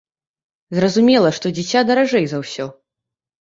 Зразумела, што дзіця даражэй за ўсё.